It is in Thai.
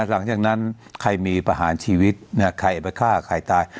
หลังจากนั้นใครมีประหารชีวิตใครไปฆ่าใครตาย